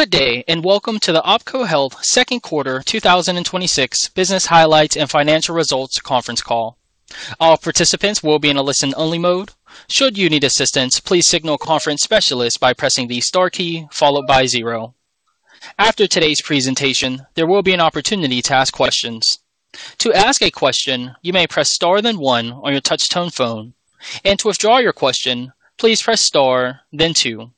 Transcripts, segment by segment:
Good day, welcome to the OPKO Health Second Quarter 2026 Business Highlights and Financial Results Conference Call. All participants will be in a listen-only mode. Should you need assistance, please signal a conference specialist by pressing the star key followed by zero. After today's presentation, there will be an opportunity to ask questions. To ask a question, you may press star then one on your touch-tone phone. To withdraw your question, please press star then two.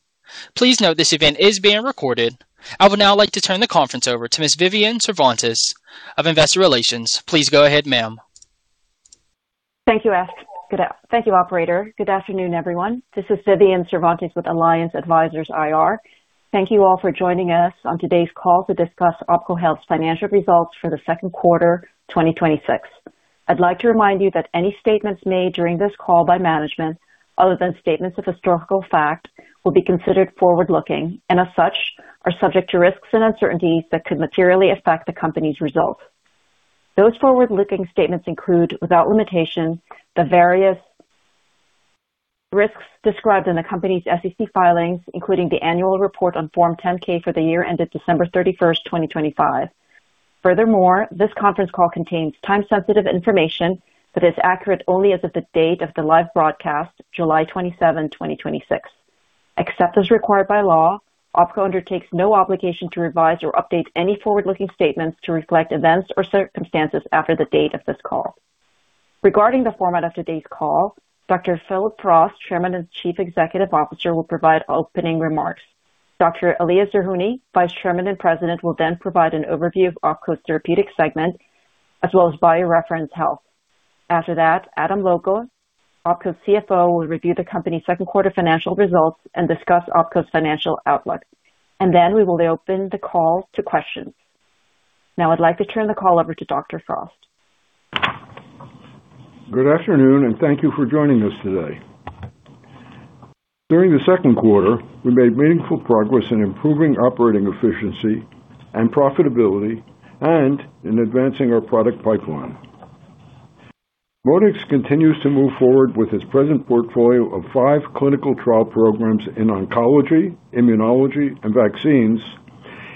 Please note this event is being recorded. I would now like to turn the conference over to Ms. Vivian Cervantes of Investor Relations. Please go ahead, ma'am. Thank you, operator. Good afternoon, everyone. This is Vivian Cervantes with Alliance Advisors IR. Thank you all for joining us on today's call to discuss OPKO Health's financial results for the second quarter 2026. I'd like to remind you that any statements made during this call by management, other than statements of historical fact, will be considered forward-looking, and as such, are subject to risks and uncertainties that could materially affect the company's results. Those forward-looking statements include, without limitation, the various risks described in the company's SEC filings, including the annual report on Form 10-K for the year ended December 31st, 2025. Furthermore, this conference call contains time-sensitive information that is accurate only as of the date of the live broadcast, July 27, 2026. Except as required by law, OPKO undertakes no obligation to revise or update any forward-looking statements to reflect events or circumstances after the date of this call. Regarding the format of today's call, Dr. Phillip Frost, Chairman and Chief Executive Officer, will provide opening remarks. Dr. Elias Zerhouni, Vice Chairman and President, will then provide an overview of OPKO's therapeutic segment, as well as BioReference Health. After that, Adam Logal, OPKO's CFO, will review the company's second quarter financial results and discuss OPKO's financial outlook. Then we will open the call to questions. Now I'd like to turn the call over to Dr. Frost. Good afternoon, thank you for joining us today. During the second quarter, we made meaningful progress in improving operating efficiency and profitability and in advancing our product pipeline. ModeX continues to move forward with its present portfolio of five clinical trial programs in oncology, immunology, and vaccines,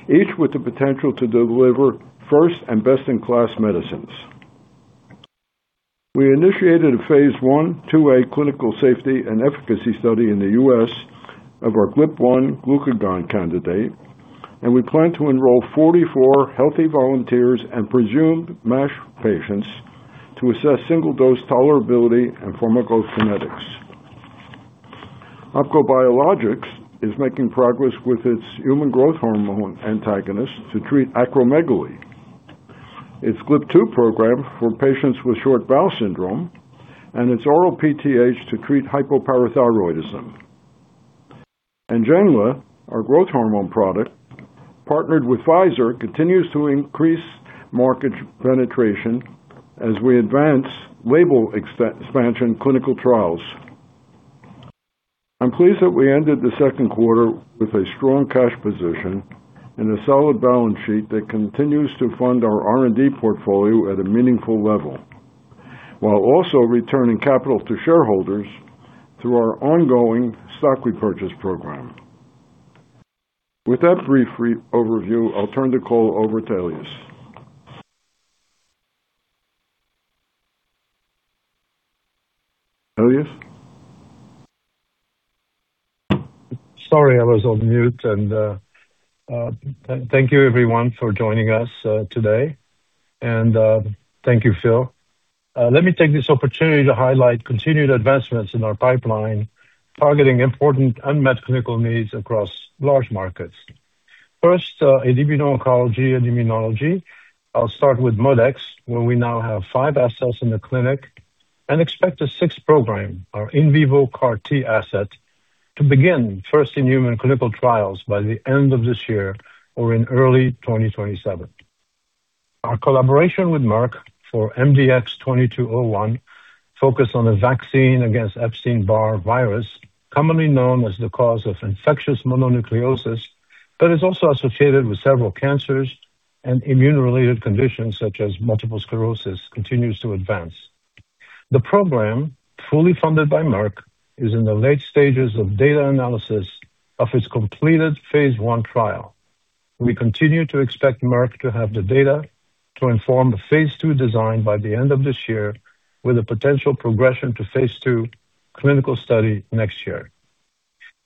each with the potential to deliver first and best-in-class medicines. We initiated a phase I/II-A clinical safety and efficacy study in the U.S. of our GLP-1 glucagon candidate, and we plan to enroll 44 healthy volunteers and presumed MASH patients to assess single-dose tolerability and pharmacokinetics. OPKO Biologics is making progress with its human growth hormone antagonist to treat acromegaly. Its GLP-2 program for patients with short bowel syndrome and its oral PTH to treat hypoparathyroidism. NGENLA, our growth hormone product, partnered with Pfizer, continues to increase market penetration as we advance label expansion clinical trials. I'm pleased that we ended the second quarter with a strong cash position and a solid balance sheet that continues to fund our R&D portfolio at a meaningful level, while also returning capital to shareholders through our ongoing stock repurchase program. With that brief overview, I'll turn the call over to Elias. Elias? Sorry, I was on mute. Thank you, everyone, for joining us today. Thank you, Phil. Let me take this opportunity to highlight continued advancements in our pipeline targeting important unmet clinical needs across large markets. First, in immuno-oncology and immunology, I'll start with ModeX, where we now have five assets in the clinic and expect a sixth program, our in vivo CAR-T asset, to begin first in human clinical trials by the end of this year or in early 2027. Our collaboration with Merck for MDX-2201 focused on a vaccine against Epstein-Barr virus, commonly known as the cause of infectious mononucleosis, but is also associated with several cancers and immune-related conditions such as multiple sclerosis, continues to advance. The program, fully funded by Merck, is in the late stages of data analysis of its completed phase I trial. We continue to expect Merck to have the data to inform the phase II design by the end of this year, with a potential progression to phase II clinical study next year.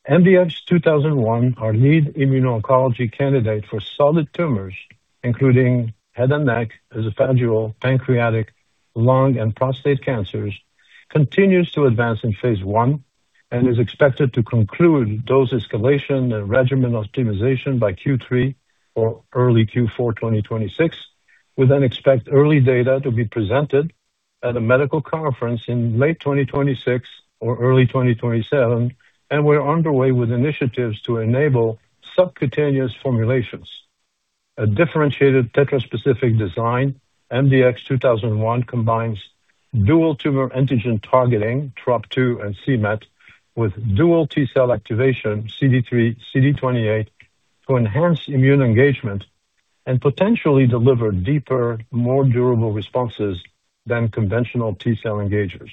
MDX2001, our lead immuno-oncology candidate for solid tumors, including head and neck, esophageal, pancreatic, lung, and prostate cancers, continues to advance in phase I and is expected to conclude dose escalation and regimen optimization by Q3 or early Q4 2026. We expect early data to be presented at a medical conference in late 2026 or early 2027, and we're underway with initiatives to enable subcutaneous formulations. A differentiated tetraspecific design, MDX2001 combines dual tumor antigen targeting, Trop-2 and c-Met, with dual T cell activation, CD3/CD28, to enhance immune engagement and potentially deliver deeper, more durable responses than conventional T cell engagers.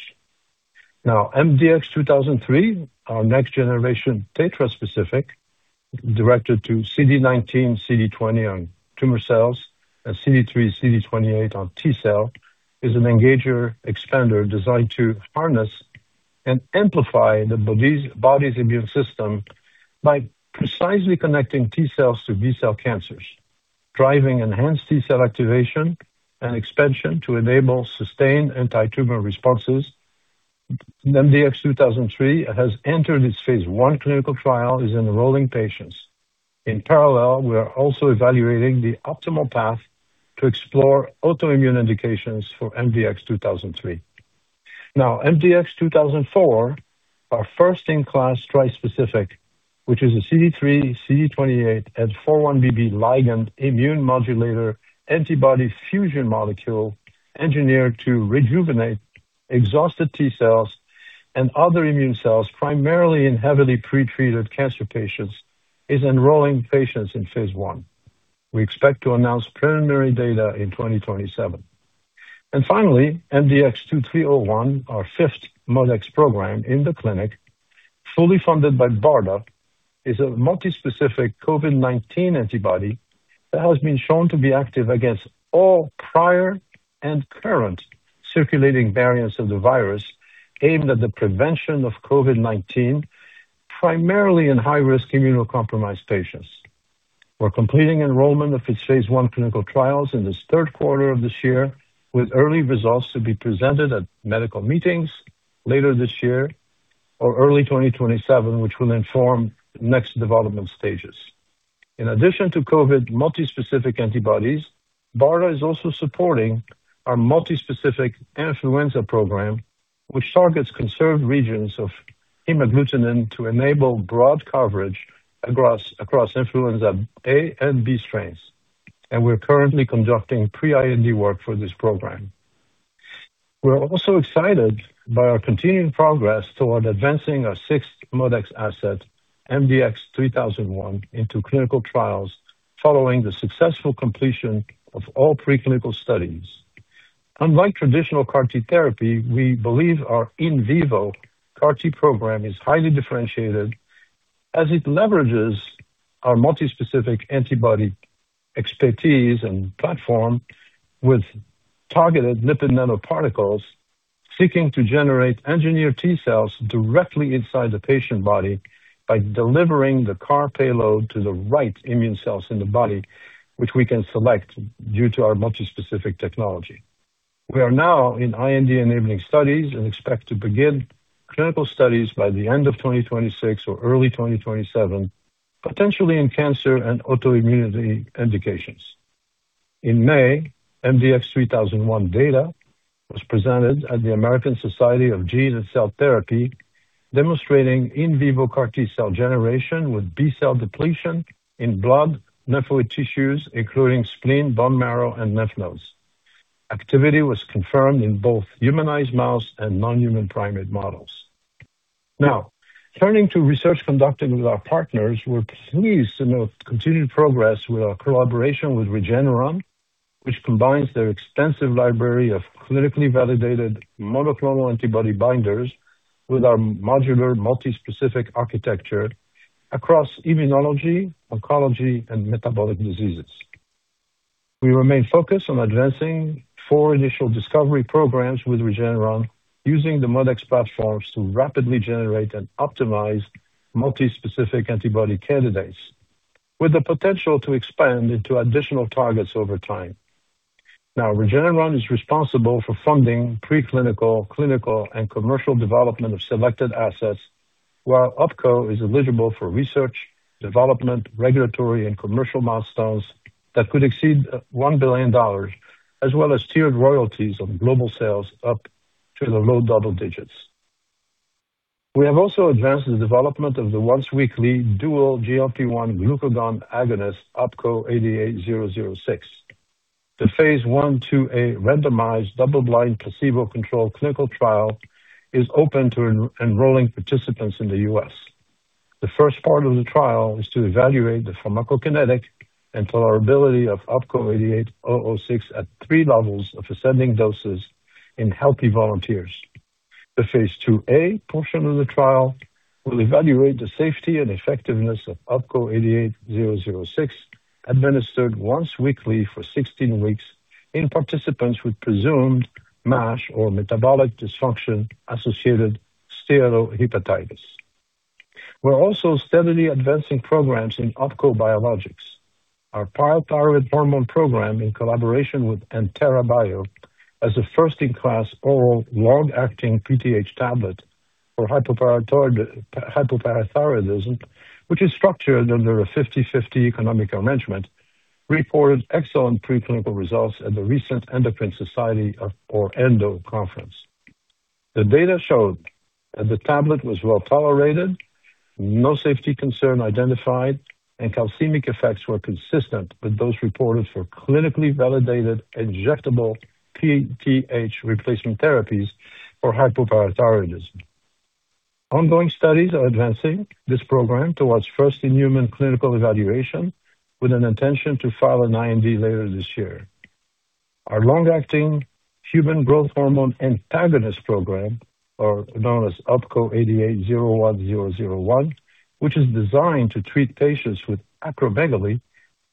MDX2003, our next generation tetraspecific, directed to CD19/CD20 on tumor cells and CD3/CD28 on T cell, is an engager expander designed to harness and amplify the body's immune system by precisely connecting T cells to B cell cancers, driving enhanced T cell activation and expansion to enable sustained antitumor responses. MDX2003 has entered its phase I clinical trial, is enrolling patients. In parallel, we are also evaluating the optimal path to explore autoimmune indications for MDX2003. MDX2004, our first-in-class trispecific, which is a CD3, CD28, and 4-1BB ligand immune modulator antibody fusion molecule engineered to rejuvenate exhausted T cells and other immune cells, primarily in heavily pretreated cancer patients, is enrolling patients in phase I. We expect to announce preliminary data in 2027. Finally, MDX-2301, our fifth ModeX program in the clinic, fully funded by BARDA, is a multi-specific COVID-19 antibody that has been shown to be active against all prior and current circulating variants of the virus, aimed at the prevention of COVID-19, primarily in high-risk immunocompromised patients. We're completing enrollment of its phase I clinical trials in this third quarter of this year, with early results to be presented at medical meetings later this year or early 2027, which will inform next development stages. In addition to COVID multi-specific antibodies, BARDA is also supporting our multi-specific influenza program, which targets conserved regions of hemagglutinin to enable broad coverage across influenza A and B strains. We're currently conducting pre-IND work for this program. We're also excited by our continuing progress toward advancing our sixth ModeX asset, MDX-3001, into clinical trials following the successful completion of all preclinical studies. Unlike traditional CAR-T therapy, we believe our in vivo CAR-T program is highly differentiated as it leverages our multi-specific antibody expertise and platform with targeted lipid nanoparticles, seeking to generate engineered T cells directly inside the patient body by delivering the CAR payload to the right immune cells in the body, which we can select due to our multi-specific technology. We are now in IND-enabling studies and expect to begin clinical studies by the end of 2026 or early 2027, potentially in cancer and autoimmunity indications. In May, MDX-3001 data was presented at the American Society of Gene & Cell Therapy, demonstrating in vivo CAR-T cell generation with B-cell depletion in blood lymphoid tissues, including spleen, bone marrow, and lymph nodes. Activity was confirmed in both humanized mouse and non-human primate models. Turning to research conducted with our partners. We're pleased to note continued progress with our collaboration with Regeneron, which combines their extensive library of clinically validated monoclonal antibody binders with our modular multi-specific architecture across immunology, oncology, and metabolic diseases. We remain focused on advancing four initial discovery programs with Regeneron using the ModeX platforms to rapidly generate and optimize multi-specific antibody candidates with the potential to expand into additional targets over time. Regeneron is responsible for funding preclinical, clinical, and commercial development of selected assets, while OPKO is eligible for research, development, regulatory, and commercial milestones that could exceed $1 billion, as well as tiered royalties on global sales up to the low double digits. We have also advanced the development of the once-weekly dual GLP-1 glucagon agonist, OPK-88006. The phase I/II-A randomized, double-blind, placebo-controlled clinical trial is open to enrolling participants in the U.S. The first part of the trial is to evaluate the pharmacokinetic and tolerability of OPK-88006 at three levels of ascending doses in healthy volunteers. The phase II-A portion of the trial will evaluate the safety and effectiveness of OPK-88006 administered once weekly for 16 weeks in participants with presumed MASH or metabolic dysfunction-associated steatohepatitis. We're also steadily advancing programs in OPKO Biologics. Our parathyroid hormone program, in collaboration with Entera Bio, as a first-in-class oral long-acting PTH tablet for hypoparathyroidism, which is structured under a 50/50 economic arrangement, reported excellent preclinical results at the recent Endocrine Society or ENDO conference. The data showed that the tablet was well-tolerated, no safety concern identified, and calcemic effects were consistent with those reported for clinically validated injectable PTH replacement therapies for hypoparathyroidism. Ongoing studies are advancing this program towards first-in-human clinical evaluation with an intention to file an IND later this year. Our long-acting human growth hormone antagonist program, or known as OPK-8801001, which is designed to treat patients with acromegaly,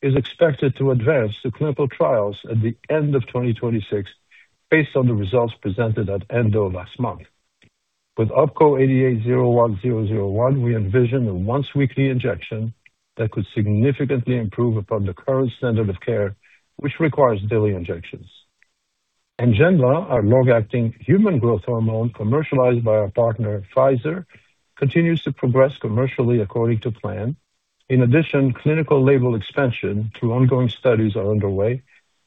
is expected to advance to clinical trials at the end of 2026, based on the results presented at ENDO last month. With OPK-8801001, we envision a once-weekly injection that could significantly improve upon the current standard of care, which requires daily injections. NGENLA, our long-acting human growth hormone commercialized by our partner, Pfizer, continues to progress commercially according to plan. In addition, clinical label expansion through ongoing studies are underway,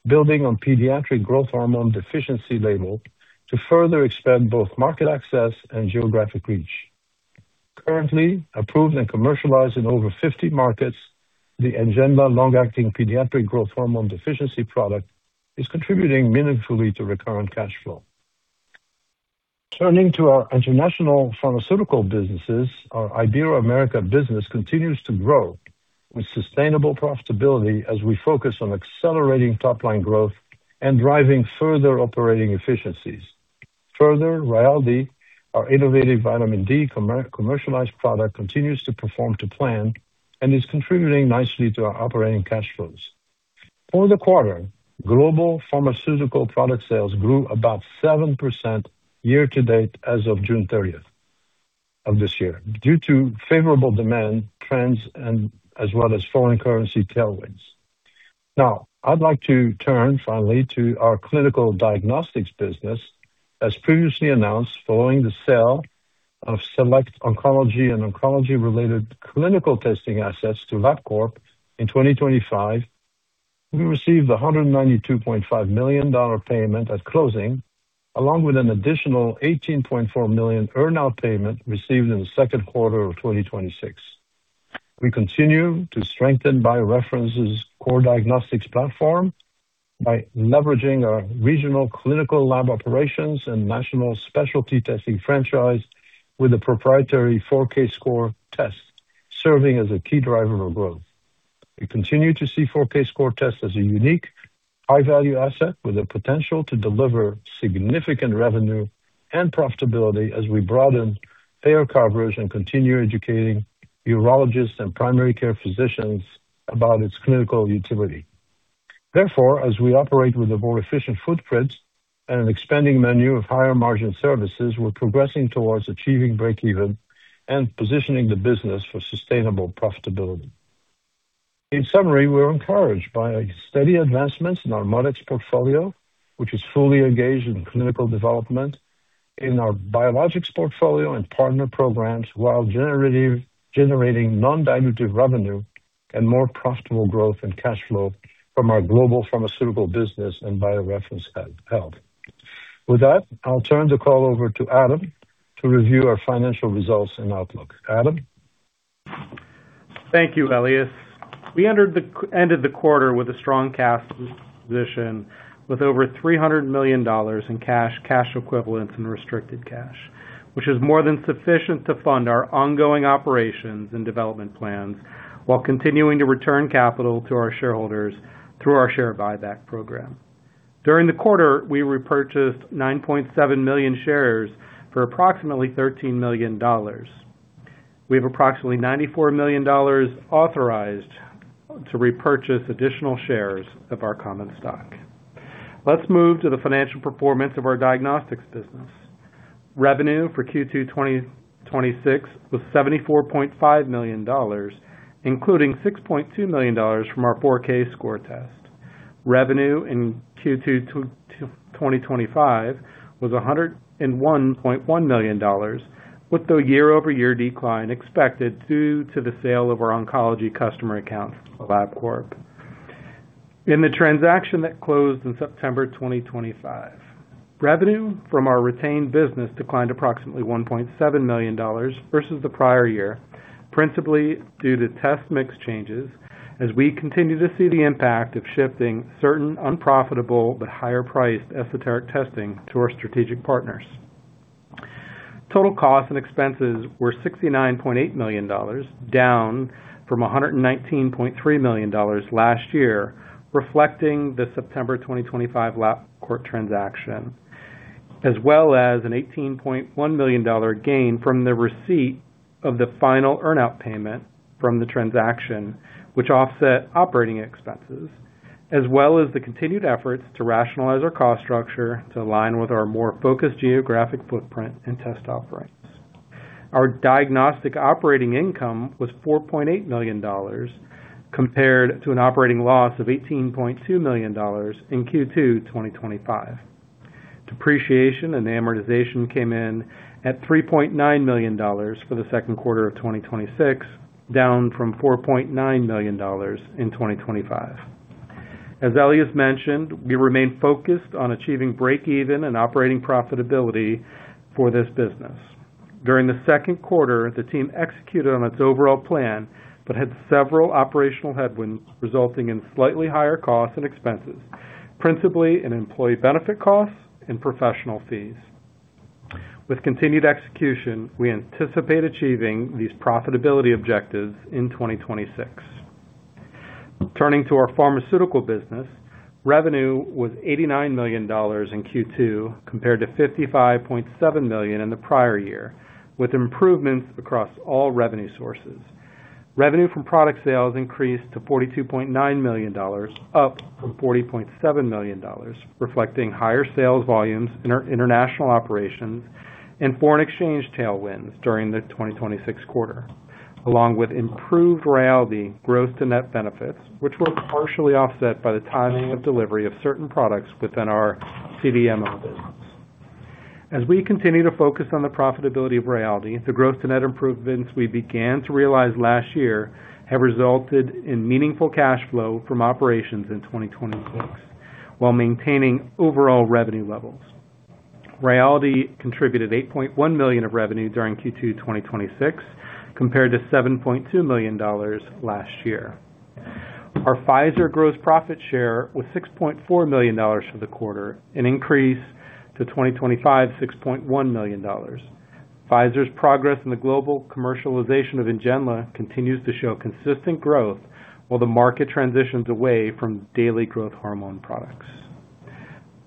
building on pediatric growth hormone deficiency label to further expand both market access and geographic reach. Currently approved and commercialized in over 50 markets, the NGENLA long-acting pediatric growth hormone deficiency product is contributing meaningfully to recurrent cash flow. Turning to our international pharmaceutical businesses, our Iberoamerica business continues to grow with sustainable profitability as we focus on accelerating top-line growth and driving further operating efficiencies. Further, RAYALDEE, our innovative vitamin D commercialized product, continues to perform to plan and is contributing nicely to our operating cash flows. For the quarter, global pharmaceutical product sales grew about 7% year to date as of June 30th of this year, due to favorable demand trends and as well as foreign currency tailwinds. I'd like to turn finally to our clinical diagnostics business. As previously announced, following the sale of select oncology and oncology-related clinical testing assets to Labcorp in 2025, we received $192.5 million payment at closing, along with an additional $18.4 million earn-out payment received in the second quarter of 2026. We continue to strengthen BioReference's core diagnostics platform by leveraging our regional clinical lab operations and national specialty testing franchise with a proprietary 4Kscore Test, serving as a key driver of growth. We continue to see 4Kscore Test as a unique, high-value asset with a potential to deliver significant revenue and profitability as we broaden payer coverage and continue educating urologists and primary care physicians about its clinical utility. Therefore, as we operate with a more efficient footprint and an expanding menu of higher-margin services, we're progressing towards achieving breakeven and positioning the business for sustainable profitability. In summary, we're encouraged by steady advancements in our ModeX portfolio, which is fully engaged in clinical development, in our biologics portfolio and partner programs, while generating non-dilutive revenue and more profitable growth and cash flow from our global pharmaceutical business and BioReference Health. With that, I'll turn the call over to Adam to review our financial results and outlook. Adam? Thank you, Elias. We ended the quarter with a strong cash position with over $300 million in cash equivalents, and restricted cash, which is more than sufficient to fund our ongoing operations and development plans while continuing to return capital to our shareholders through our share buyback program. During the quarter, we repurchased 9.7 million shares for approximately $13 million. We have approximately $94 million authorized to repurchase additional shares of our common stock. Let's move to the financial performance of our diagnostics business. Revenue for Q2 2026 was $74.5 million, including $6.2 million from our 4Kscore Test. Revenue in Q2 2025 was $101.1 million, with the year-over-year decline expected due to the sale of our oncology customer accounts, Labcorp. In the transaction that closed in September 2025, revenue from our retained business declined approximately $1.7 million versus the prior year, principally due to test mix changes as we continue to see the impact of shifting certain unprofitable but higher-priced esoteric testing to our strategic partners. Total costs and expenses were $69.8 million, down from $119.3 million last year, reflecting the September 2025 Labcorp transaction, as well as an $18.1 million gain from the receipt of the final earn-out payment from the transaction, which offset operating expenses, as well as the continued efforts to rationalize our cost structure to align with our more focused geographic footprint and test offerings. Our diagnostic operating income was $4.8 million, compared to an operating loss of $18.2 million in Q2 2025. Depreciation and amortization came in at $3.9 million for the second quarter of 2026, down from $4.9 million in 2025. As Elias mentioned, we remain focused on achieving breakeven and operating profitability for this business. During the second quarter, the team executed on its overall plan, but had several operational headwinds, resulting in slightly higher costs and expenses. Principally in employee benefit costs and professional fees. With continued execution, we anticipate achieving these profitability objectives in 2026. Turning to our pharmaceutical business, revenue was $89 million in Q2 compared to $55.7 million in the prior year, with improvements across all revenue sources. Revenue from product sales increased to $42.9 million, up from $40.7 million, reflecting higher sales volumes in our international operations and foreign exchange tailwinds during the 2026 quarter, along with improved RAYALDEE gross to net benefits, which were partially offset by the timing of delivery of certain products within our CDMO business. As we continue to focus on the profitability of RAYALDEE, the gross to net improvements we began to realize last year have resulted in meaningful cash flow from operations in 2026 while maintaining overall revenue levels. RAYALDEE contributed $8.1 million of revenue during Q2 2026 compared to $7.2 million last year. Our Pfizer gross profit share was $6.4 million for the quarter, an increase to 2025's $6.1 million. Pfizer's progress in the global commercialization of NGENLA continues to show consistent growth while the market transitions away from daily growth hormone products.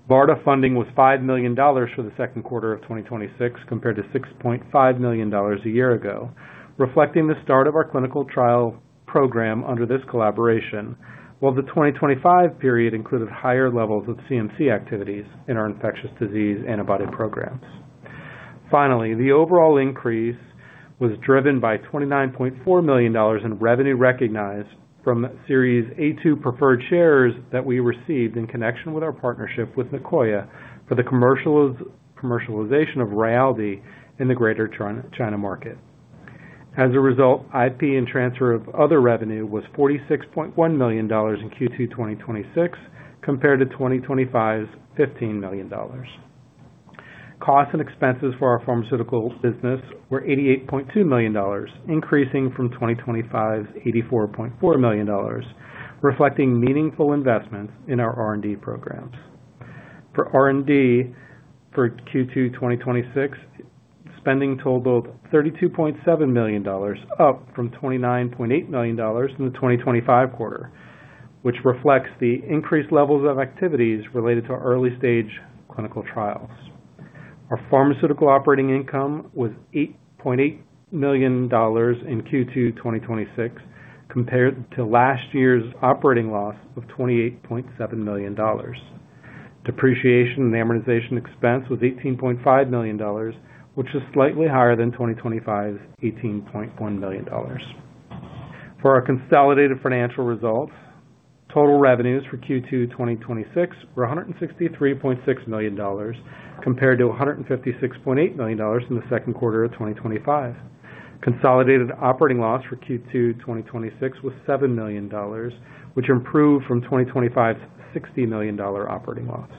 BARDA funding was $5 million for the second quarter of 2026 compared to $6.5 million a year ago, reflecting the start of our clinical trial program under this collaboration. While the 2025 period included higher levels of CMC activities in our infectious disease antibody programs. Finally, the overall increase was driven by $29.4 million in revenue recognized from Series A-2 preferred shares that we received in connection with our partnership with Nicoya for the commercialization of RAYALDEE in the Greater China market. As a result, IP and transfer of other revenue was $46.1 million in Q2 2026 compared to 2025's $15 million. Costs and expenses for our pharmaceutical business were $88.2 million, increasing from 2025's $84.4 million, reflecting meaningful investments in our R&D programs. For R&D for Q2 2026, spending totaled $32.7 million, up from $29.8 million in the 2025 quarter, which reflects the increased levels of activities related to our early-stage clinical trials. Our pharmaceutical operating income was $8.8 million in Q2 2026 compared to last year's operating loss of $28.7 million. Depreciation and amortization expense was $18.5 million, which is slightly higher than 2025's $18.1 million. For our consolidated financial results, total revenues for Q2 2026 were $163.6 million, compared to $156.8 million in the second quarter of 2025. Consolidated operating loss for Q2 2026 was $7 million, which improved from 2025's $60 million operating loss.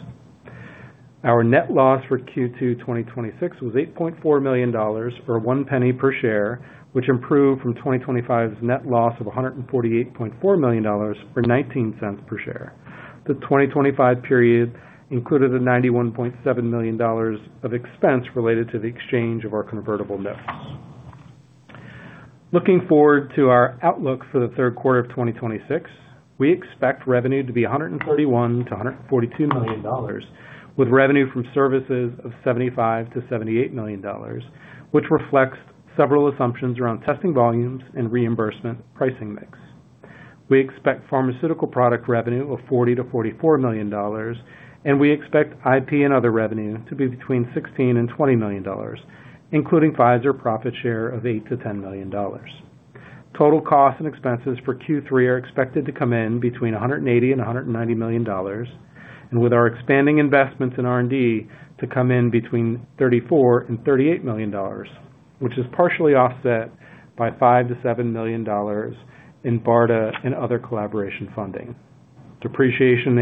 Our net loss for Q2 2026 was $8.4 million, or $0.01 per share, which improved from 2025's net loss of $148.4 million, or $0.19 per share. The 2025 period included a $91.7 million of expense related to the exchange of our convertible notes. Looking forward to our outlook for the third quarter of 2026, we expect revenue to be $131 million-$142 million, with revenue from services of $75 million-$78 million, which reflects several assumptions around testing volumes and reimbursement pricing mix. We expect pharmaceutical product revenue of $40 million-$44 million, we expect IP and other revenue to be between $16 million and $20 million, including Pfizer profit share of $8 million-$10 million. Total costs and expenses for Q3 are expected to come in between $180 million and $190 million, with our expanding investments in R&D to come in between $34 million and $38 million, which is partially offset by $5 million-$7 million in BARDA and other collaboration funding. Depreciation and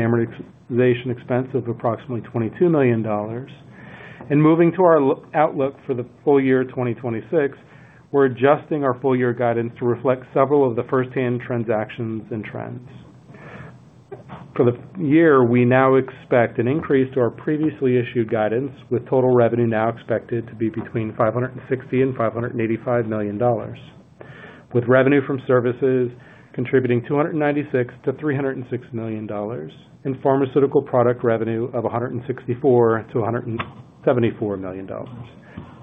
amortization expense of approximately $22 million. Moving to our outlook for the full year 2026, we're adjusting our full year guidance to reflect several of the first-hand transactions and trends. For the year, we now expect an increase to our previously issued guidance, with total revenue now expected to be between $560 million and $585 million, with revenue from services contributing $296 million-$306 million, and pharmaceutical product revenue of $164 million-$174 million.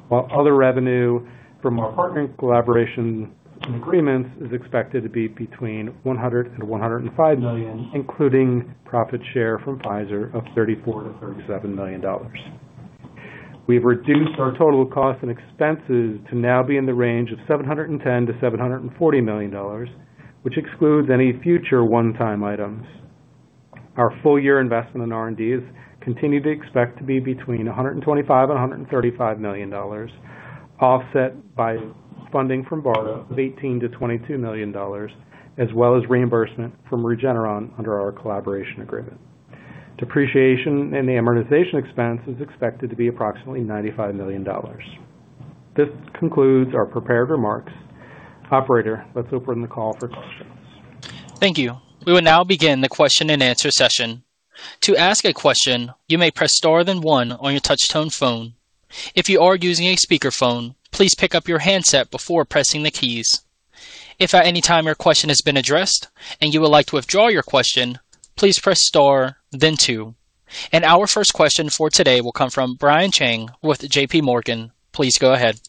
While other revenue from our partner collaboration agreements is expected to be between $100 million and $105 million, including profit share from Pfizer of $34 million-$37 million. We've reduced our total cost and expenses to now be in the range of $710 million-$740 million, which excludes any future one-time items. Our full year investment in R&D is continued to expect to be between $125 million and $135 million, offset by funding from BARDA of $18 million-$22 million, as well as reimbursement from Regeneron under our collaboration agreement. Depreciation and amortization expense is expected to be approximately $95 million. This concludes our prepared remarks. Operator, let's open the call for questions. Thank you. We will now begin the question and answer session. To ask a question, you may press star then one on your touch tone phone. If you are using a speakerphone, please pick up your handset before pressing the keys. If at any time your question has been addressed and you would like to withdraw your question, please press star then two. Our first question for today will come from Brian Chang with J.P. Morgan. Please go ahead.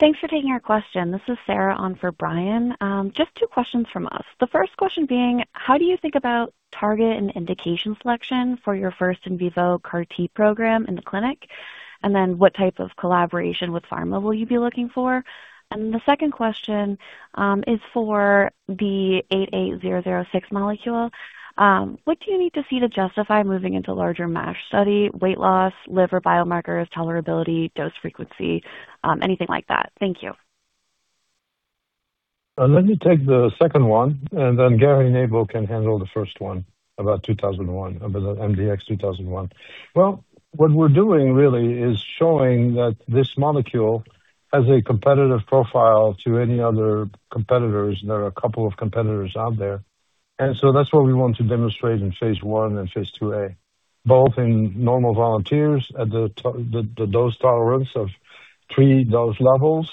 Thanks for taking our question. This is Sarah on for Brian. Just two questions from us. The first question being, how do you think about target and indication selection for your first in vivo CAR-T program in the clinic? What type of collaboration with pharma will you be looking for? The second question is for the 88006 molecule. What do you need to see to justify moving into larger MASH study, weight loss, liver biomarkers, tolerability, dose frequency, anything like that? Thank you. Let me take the second one, Gary Nabel can handle the first one about 2001, about the MDX2001. Well, what we're doing really is showing that this molecule has a competitive profile to any other competitors, there are a couple of competitors out there. That's what we want to demonstrate in phase I and phase II-A, both in normal volunteers at the dose tolerance of three dose levels,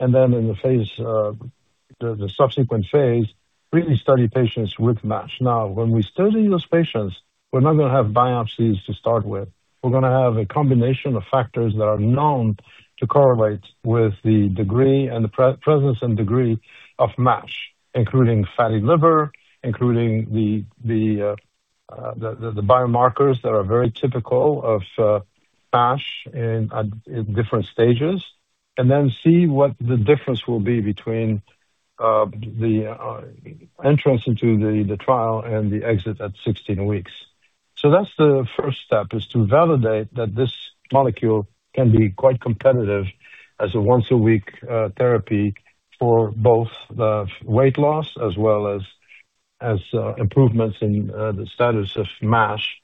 in the subsequent phase, really study patients with MASH. Now, when we study those patients, we're not going to have biopsies to start with. We're going to have a combination of factors that are known to correlate with the presence and degree of MASH, including fatty liver, including the biomarkers that are very typical of MASH in different stages, and then see what the difference will be between the entrance into the trial and the exit at 16 weeks. That's the first step is to validate that this molecule can be quite competitive as a once-a-week therapy for both the weight loss as well as improvements in the status of MASH,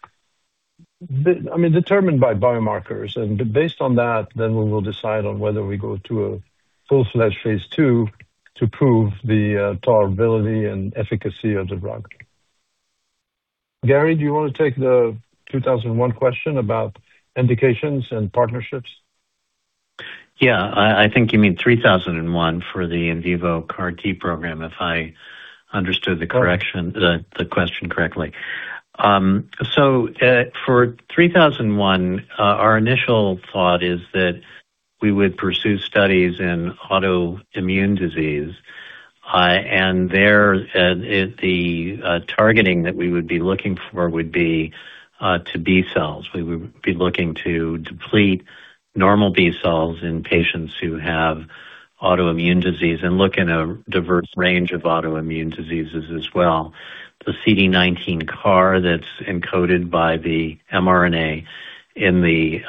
determined by biomarkers. Based on that, then we will decide on whether we go to a full-fledged phase II to prove the tolerability and efficacy of the drug. Gary, do you want to take the 2001 question about indications and partnerships? Yeah, I think you mean 3001 for the in vivo CAR-T program, if I understood the question correctly. For 3001, our initial thought is that we would pursue studies in autoimmune disease. There, the targeting that we would be looking for would be to B cells. We would be looking to deplete normal B cells in patients who have autoimmune disease and look in a diverse range of autoimmune diseases as well. The CD19 CAR that's encoded by the mRNA in the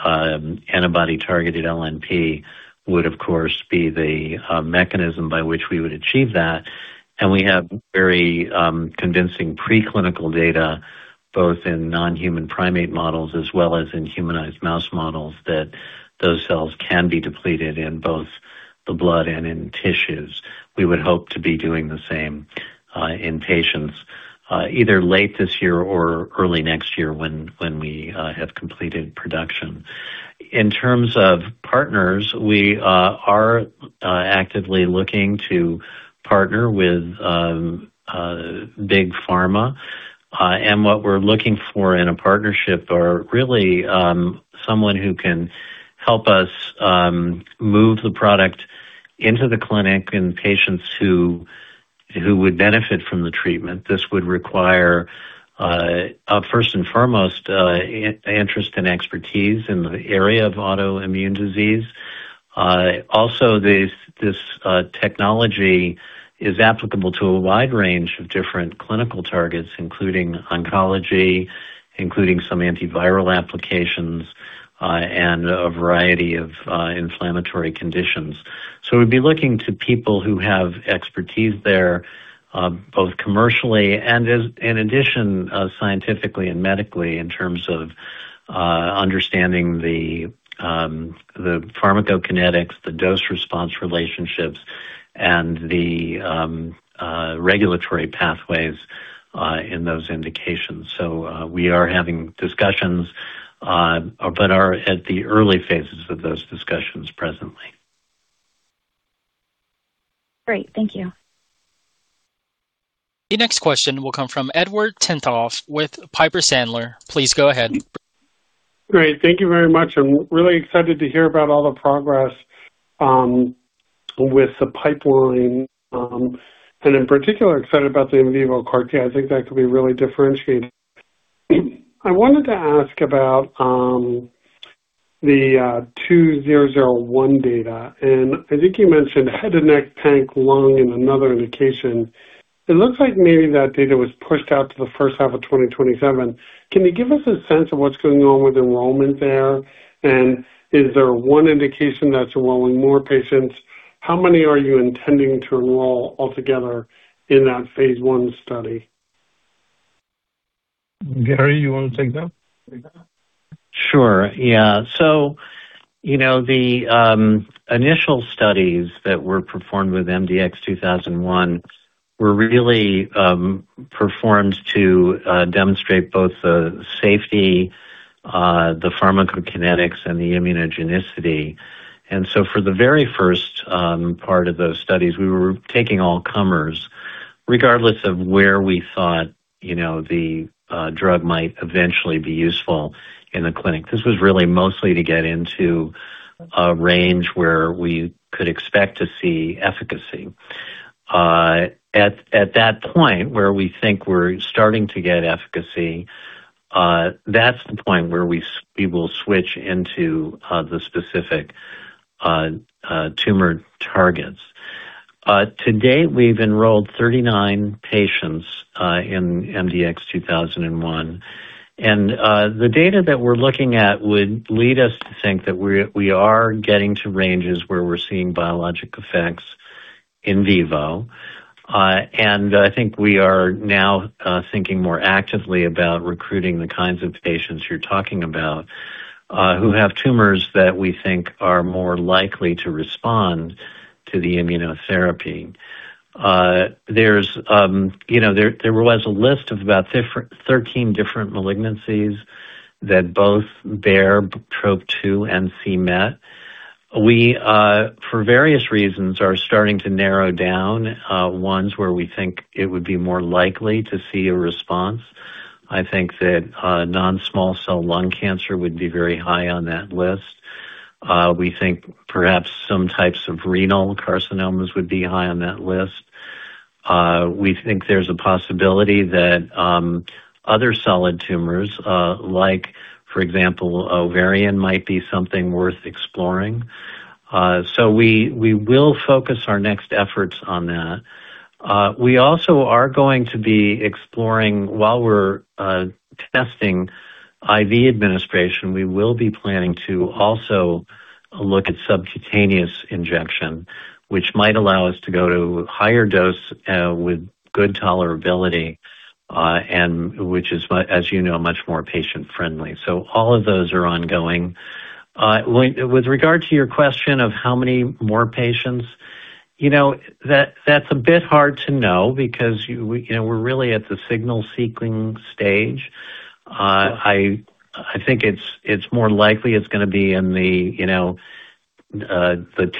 antibody-targeted LNP would, of course, be the mechanism by which we would achieve that, and we have very convincing preclinical data, both in non-human primate models as well as in humanized mouse models, that those cells can be depleted in both the blood and in tissues. We would hope to be doing the same in patients either late this year or early next year when we have completed production. In terms of partners, we are actively looking to partner with big pharma. What we're looking for in a partnership are really someone who can help us move the product into the clinic and patients who would benefit from the treatment. This would require, first and foremost, interest and expertise in the area of autoimmune disease. This technology is applicable to a wide range of different clinical targets, including oncology, including some antiviral applications, and a variety of inflammatory conditions. We'd be looking to people who have expertise there, both commercially and in addition, scientifically and medically in terms of understanding the pharmacokinetics, the dose response relationships, and the regulatory pathways in those indications. We are having discussions, but are at the early phases of those discussions presently. Great. Thank you. The next question will come from Edward Tenthoff with Piper Sandler. Please go ahead. Great. Thank you very much. I'm really excited to hear about all the progress with the pipeline, in particular, excited about the in vivo CAR-T. I think that could be really differentiated. I wanted to ask about the 2001 data, I think you mentioned head and neck, lung, and another indication. It looks like maybe that data was pushed out to the first half of 2027. Can you give us a sense of what's going on with enrollment there? Is there one indication that's enrolling more patients? How many are you intending to enroll altogether in that phase I study? Gary, you want to take that? Sure. Yeah. The initial studies that were performed with MDX2001 were really performed to demonstrate both the safety, the pharmacokinetics, and the immunogenicity. For the very first part of those studies, we were taking all comers, regardless of where we thought the drug might eventually be useful in the clinic. This was really mostly to get into a range where we could expect to see efficacy. At that point, where we think we're starting to get efficacy, that's the point where we will switch into the specific tumor targets. To date, we've enrolled 39 patients in MDX2001, and the data that we're looking at would lead us to think that we are getting to ranges where we're seeing biologic effects in vivo. I think we are now thinking more actively about recruiting the kinds of patients you're talking about who have tumors that we think are more likely to respond to the immunotherapy. There was a list of about 13 different malignancies that both bear Trop-2 and c-Met. We, for various reasons, are starting to narrow down ones where we think it would be more likely to see a response. I think that non-small cell lung cancer would be very high on that list. We think perhaps some types of renal carcinomas would be high on that list. We think there's a possibility that other solid tumors, like, for example, ovarian, might be something worth exploring. We will focus our next efforts on that. We also are going to be exploring, while we're testing IV administration, we will be planning to also look at subcutaneous injection, which might allow us to go to higher dose with good tolerability, and which is, as you know, much more patient friendly. All of those are ongoing. With regard to your question of how many more patients, that's a bit hard to know because we're really at the signal-seeking stage. I think it's more likely it's going to be in the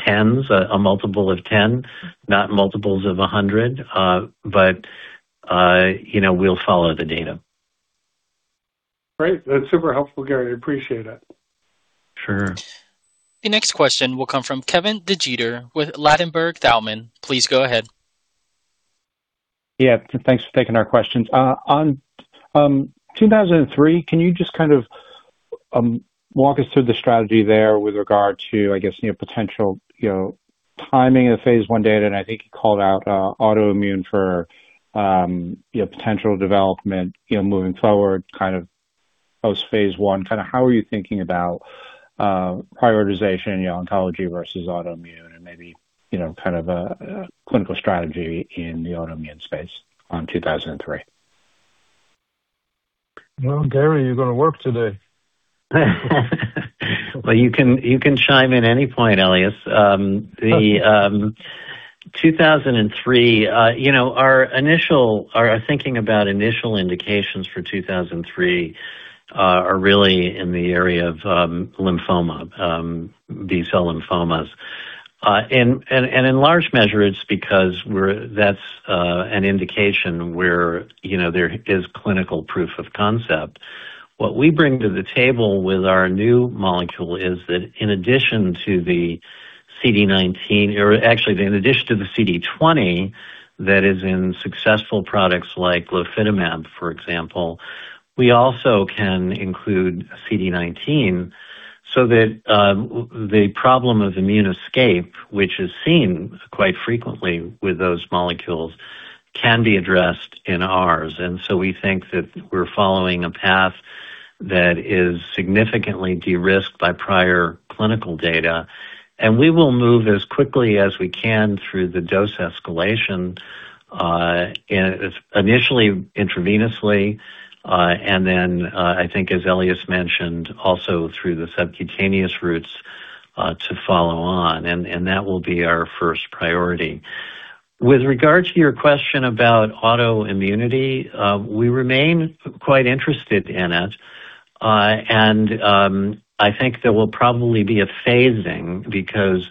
tens, a multiple of 10, not multiples of 100, but we'll follow the data. Great. That's super helpful, Gary. Appreciate it. Sure. The next question will come from Kevin DeGeeter with Ladenburg Thalmann. Please go ahead. Yeah. Thanks for taking our questions. On 2003, can you just walk us through the strategy there with regard to, I guess, potential timing of the phase I data? I think you called out autoimmune for potential development moving forward, post phase I. How are you thinking about prioritization in oncology versus autoimmune and maybe, clinical strategy in the autoimmune space on 2003? Well, Gary, you're going to work today. Well, you can chime in any point, Elias. 2003, our thinking about initial indications for 2003 are really in the area of lymphoma, B-cell lymphomas. In large measure, it's because that's an indication where there is clinical proof of concept. What we bring to the table with our new molecule is that in addition to the CD19, or actually in addition to the CD20 that is in successful products like litifilimab, for example, we also can include CD19 so that the problem of immune escape, which is seen quite frequently with those molecules, can be addressed in ours. We think that we're following a path that is significantly de-risked by prior clinical data, and we will move as quickly as we can through the dose escalation, initially intravenously, and then I think as Elias mentioned, also through the subcutaneous routes to follow on, and that will be our first priority. With regard to your question about autoimmunity, we remain quite interested in it, and I think there will probably be a phasing because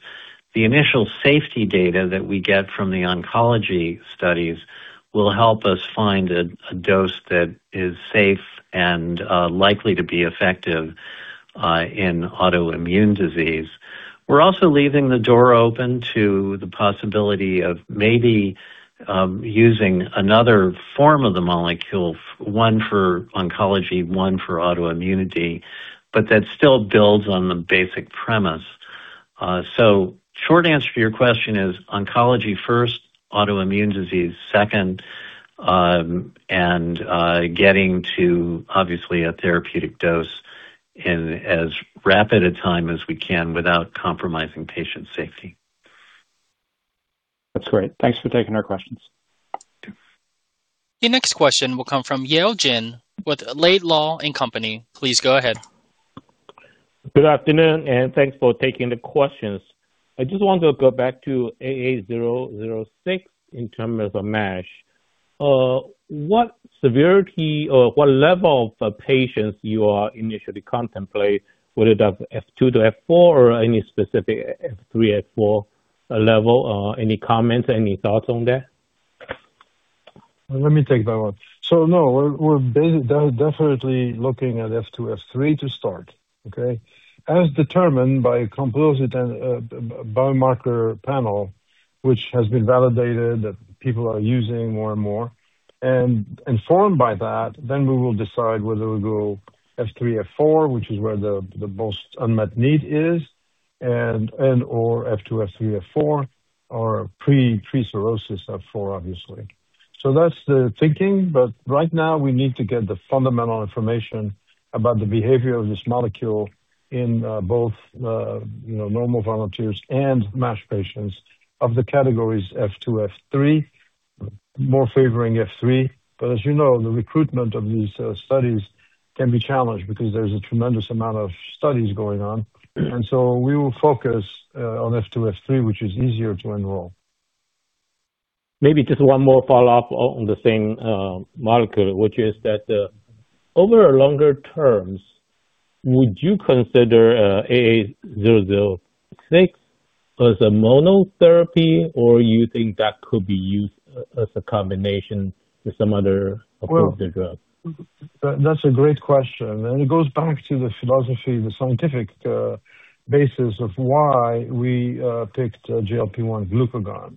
the initial safety data that we get from the oncology studies will help us find a dose that is safe and likely to be effective in autoimmune disease. We're also leaving the door open to the possibility of maybe using another form of the molecule, one for oncology, one for autoimmunity, but that still builds on the basic premise. Short answer to your question is oncology first, autoimmune disease second, and getting to obviously a therapeutic dose in as rapid a time as we can without compromising patient safety. That's great. Thanks for taking our questions. Your next question will come from Yale Jen with Laidlaw and Company. Please go ahead. Good afternoon. Thanks for taking the questions. I just want to go back to 88006 in terms of MASH. What severity or what level of patients you are initially contemplate, whether that's F2-F4 or any specific F3, F4 level? Any comments, any thoughts on that? Let me take that one. No, we're definitely looking at F2, F3 to start. Okay? As determined by composite biomarker panel, which has been validated, that people are using more and more. Informed by that, we will decide whether we'll go F3, F4, which is where the most unmet need is, and/or F2, F3, F4 or pre-cirrhosis F4, obviously. That's the thinking. Right now, we need to get the fundamental information about the behavior of this molecule in both normal volunteers and MASH patients of the categories F2, F3, more favoring F3. As you know, the recruitment of these studies can be challenged because there's a tremendous amount of studies going on. We will focus on F2, F3, which is easier to enroll. Maybe just one more follow-up on the same molecule, which is that over longer terms, would you consider 88006 as a monotherapy, or you think that could be used as a combination with some other OPKO drug? That's a great question. It goes back to the philosophy, the scientific basis of why we picked GLP-1 glucagon.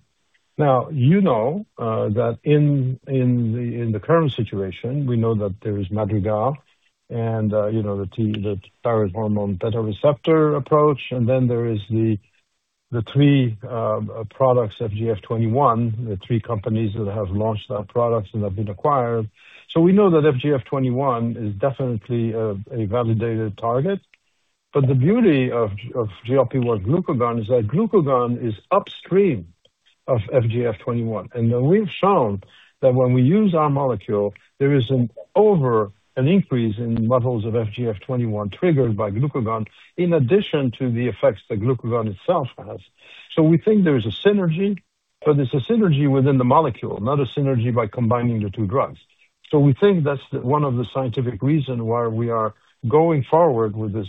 You know that in the current situation, we know that there is Madrigal and the parahormone beta receptor approach, and then there is the three products, FGF21, the three companies that have launched their products and have been acquired. We know that FGF21 is definitely a validated target. The beauty of GLP-1 glucagon is that glucagon is upstream of FGF21. We've shown that when we use our molecule, there is an over an increase in levels of FGF21 triggered by glucagon, in addition to the effects that glucagon itself has. We think there is a synergy, but it's a synergy within the molecule, not a synergy by combining the two drugs. We think that's one of the scientific reason why we are going forward with this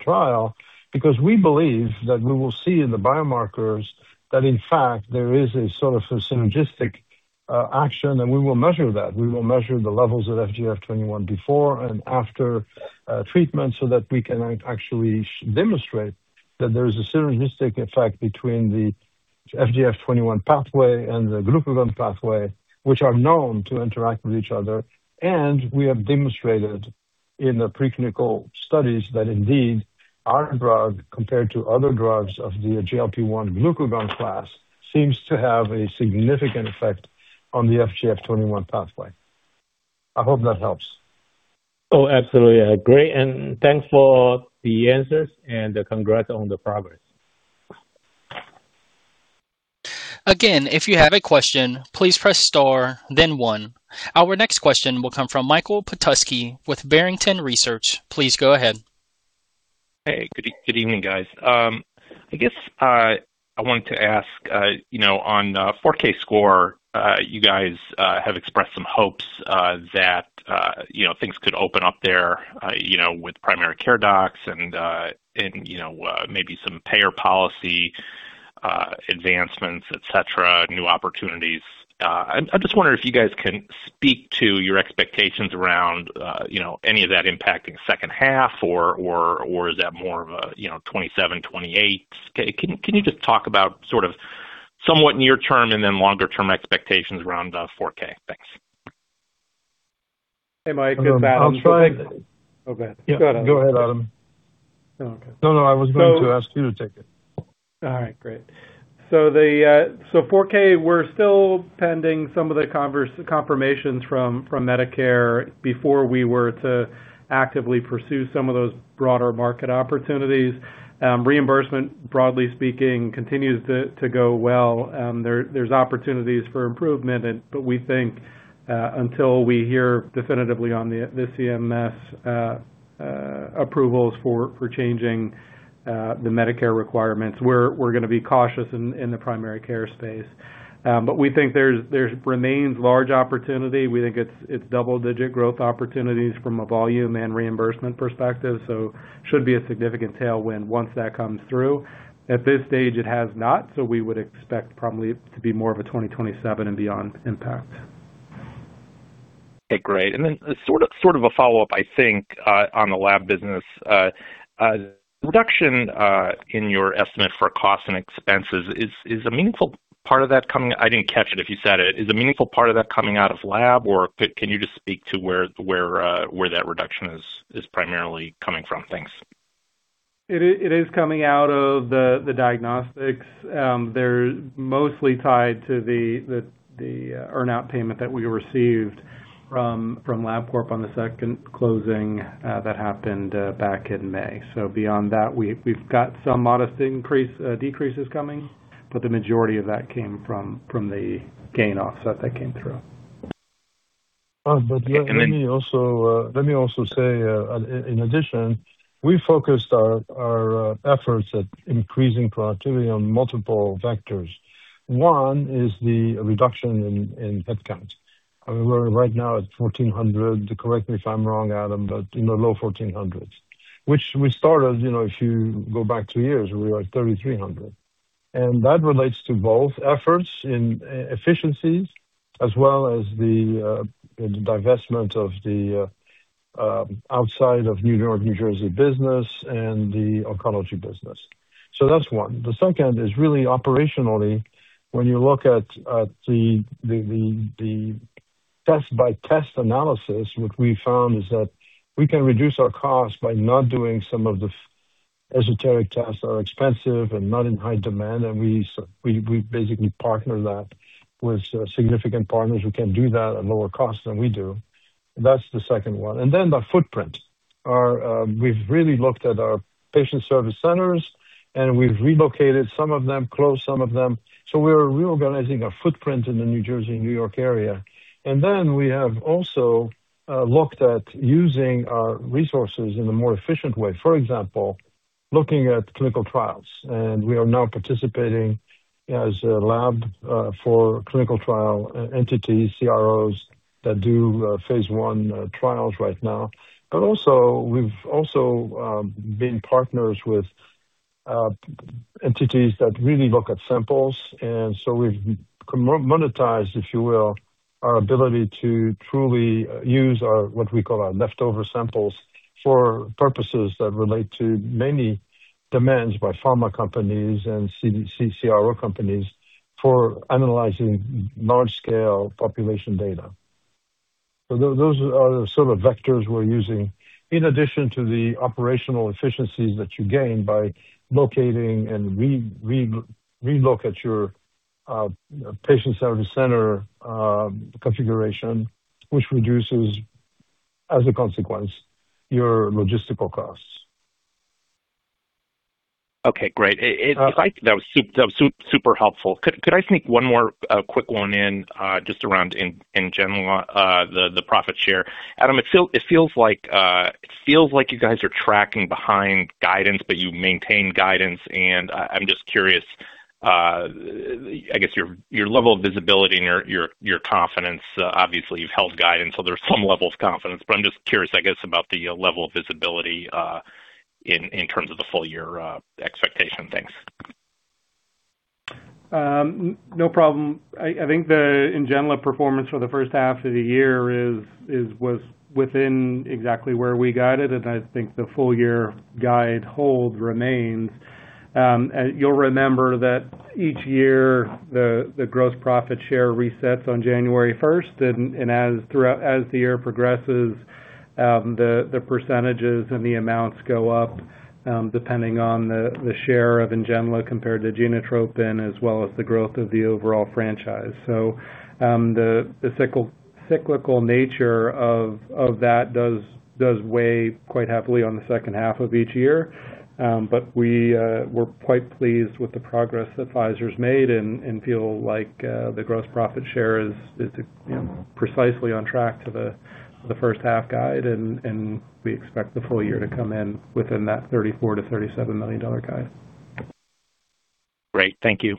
trial, because we believe that we will see in the biomarkers that in fact, there is a sort of a synergistic action, and we will measure that. We will measure the levels of FGF21 before and after treatment so that we can actually demonstrate that there is a synergistic effect between the FGF21 pathway and the glucagon pathway, which are known to interact with each other. We have demonstrated in the preclinical studies that indeed our drug, compared to other drugs of the GLP-1 glucagon class, seems to have a significant effect on the FGF21 pathway. I hope that helps. Oh, absolutely. Great. Thanks for the answers and congrats on the progress. Again, if you have a question, please press star then one. Our next question will come from Michael Petusky with Barrington Research. Please go ahead. Hey, good evening, guys. I guess I wanted to ask on 4Kscore, you guys have expressed some hopes that things could open up there with primary care docs and maybe some payer policy advancements, et cetera, new opportunities. I just wonder if you guys can speak to your expectations around any of that impacting second half, or is that more of a 2027, 2028? Can you just talk about sort of somewhat near term and then longer term expectations around the 4K? Thanks. Hey, Mike, it's Adam. I'll try. Oh, go ahead. Go ahead, Adam. Okay. No, no, I was going to ask you to take it. All right, great. 4K, we're still pending some of the confirmations from Medicare before we were to actively pursue some of those broader market opportunities. Reimbursement, broadly speaking, continues to go well. There's opportunities for improvement, we think until we hear definitively on the CMS approvals for changing the Medicare requirements, we're going to be cautious in the primary care space. We think there remains large opportunity. We think it's double-digit growth opportunities from a volume and reimbursement perspective. Should be a significant tailwind once that comes through. At this stage, it has not, so we would expect probably to be more of a 2027 and beyond impact. Okay, great. Then sort of a follow-up, I think, on the lab business. Reduction in your estimate for cost and expenses. I didn't catch it if you said it. Is a meaningful part of that coming out of lab, or can you just speak to where that reduction is primarily coming from? Thanks. It is coming out of the diagnostics. They're mostly tied to the earn-out payment that we received from Labcorp on the second closing that happened back in May. Beyond that, we've got some modest decreases coming, the majority of that came from the gain offset that came through. Let me also say, in addition, we focused our efforts at increasing productivity on multiple vectors. One is the reduction in headcount. We're right now at 1,400. Correct me if I'm wrong, Adam, but low 1,400s. Which we started, if you go back two years, we were at 3,300. That relates to both efforts in efficiencies as well as the divestment of the outside of New York, New Jersey business and the oncology business. That's one. The second is really operationally, when you look at the test-by-test analysis, what we found is that we can reduce our costs by not doing some of the esoteric tests that are expensive and not in high demand. We basically partner that with significant partners who can do that at lower cost than we do. That's the second one. Then the footprint. We've really looked at our patient service centers, we've relocated some of them, closed some of them. We're reorganizing our footprint in the New Jersey, New York area. Then we have also looked at using our resources in a more efficient way. For example, looking at clinical trials, we are now participating as a lab for clinical trial entities, CROs, that do phase I trials right now. Also, we've also been partners with entities that really look at samples. We've monetized, if you will, our ability to truly use what we call our leftover samples for purposes that relate to many demands by pharma companies and CRO companies for analyzing large-scale population data. Those are the sort of vectors we're using, in addition to the operational efficiencies that you gain by locating and relook at your patient service center configuration, which reduces, as a consequence, your logistical costs. Okay, great. That was super helpful. Could I sneak one more quick one in, just around NGENLA, the profit share? Adam, it feels like you guys are tracking behind guidance, you maintain guidance, and I'm just curious, I guess, your level of visibility and your confidence. Obviously, you've held guidance, so there's some level of confidence. I'm just curious, I guess, about the level of visibility in terms of the full-year expectation. Thanks. No problem. I think the NGENLA performance for the first half of the year was within exactly where we guided, and I think the full-year guide hold remains. You'll remember that each year, the gross profit share resets on January 1st, and as the year progresses, the percentages and the amounts go up depending on the share of NGENLA compared to GENOTROPIN, as well as the growth of the overall franchise. The cyclical nature of that does weigh quite heavily on the second half of each year. We were quite pleased with the progress that Pfizer's made and feel like the gross profit share is precisely on track to the first-half guide, and we expect the full year to come in within that $34 million-$37 million guide. Great. Thank you.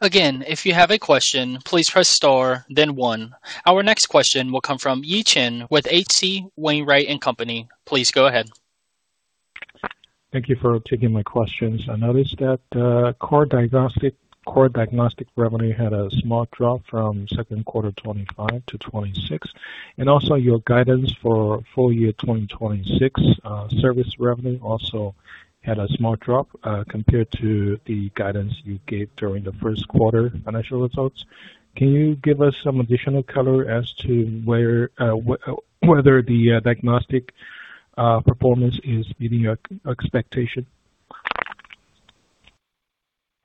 Again, if you have a question, please press star then one. Our next question will come from Yi Chen with H.C. Wainwright & Co. Please go ahead. Thank you for taking my questions. I noticed that core diagnostic revenue had a small drop from second quarter 2025 to 2026. Your guidance for full-year 2026 service revenue also had a small drop compared to the guidance you gave during the first quarter financial results. Can you give us some additional color as to whether the diagnostic performance is meeting expectation?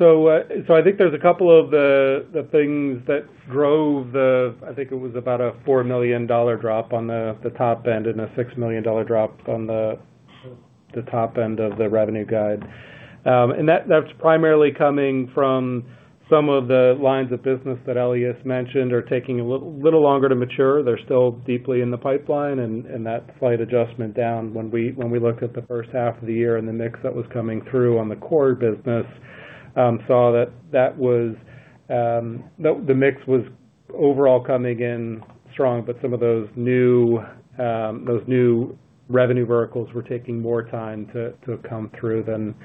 I think there's a couple of things that drove the, I think it was about a $4 million drop on the top end and a $6 million drop on the top end of the revenue guide. That's primarily coming from some of the lines of business that Elias mentioned are taking a little longer to mature. They're still deeply in the pipeline, that slight adjustment down when we looked at the first half of the year and the mix that was coming through on the core business, saw that the mix was overall coming in strong, but some of those new revenue verticals were taking more time to come through than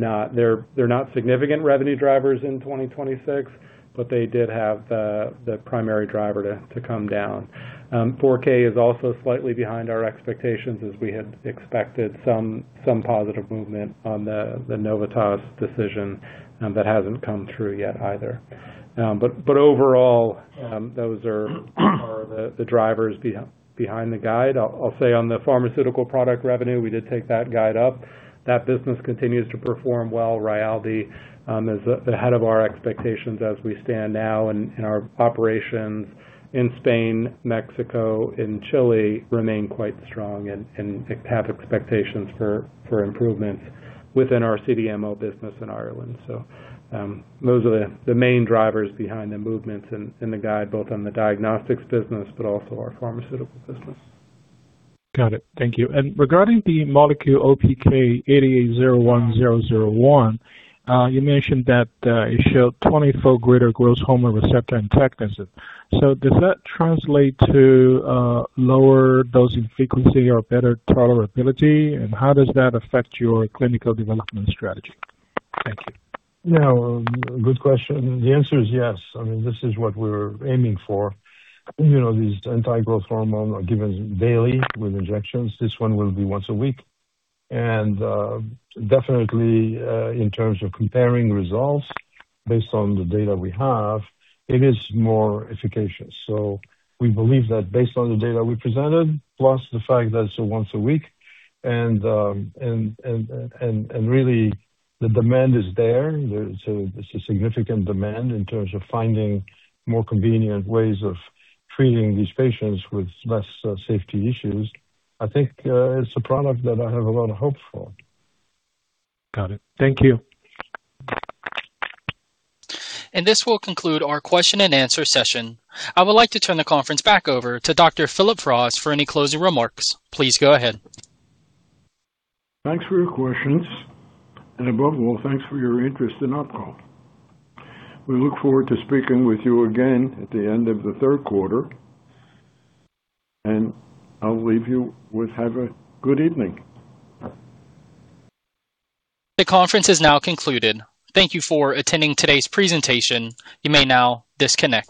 not. They're not significant revenue drivers in 2026, but they did have the primary driver to come down. 4K is also slightly behind our expectations, as we had expected some positive movement on the Novitas decision. That hasn't come true yet either. Overall, those are the drivers behind the guide. I'll say on the pharmaceutical product revenue, we did take that guide up. That business continues to perform well. RAYALDEE is ahead of our expectations as we stand now, and our operations in Spain, Mexico, and Chile remain quite strong and have expectations for improvement within our CDMO business in Ireland. Those are the main drivers behind the movements in the guide, both on the diagnostics business but also our pharmaceutical business. Got it. Thank you. Regarding the molecule OPK-8801001, you mentioned that it showed 24 greater growth hormone receptor intactness. Does that translate to lower dosing frequency or better tolerability? How does that affect your clinical development strategy? Thank you. Good question. The answer is yes. This is what we're aiming for. These anti-growth hormone are given daily with injections. This one will be once a week. Definitely, in terms of comparing results based on the data we have, it is more efficacious. We believe that based on the data we presented, plus the fact that it's a once a week and really the demand is there, it's a significant demand in terms of finding more convenient ways of treating these patients with less safety issues. I think it's a product that I have a lot of hope for. Got it. Thank you. This will conclude our question and answer session. I would like to turn the conference back over to Dr. Phillip Frost for any closing remarks. Please go ahead. Thanks for your questions, and above all, thanks for your interest in OPKO. We look forward to speaking with you again at the end of the third quarter, and I'll leave you with have a good evening. The conference has now concluded. Thank you for attending today's presentation. You may now disconnect.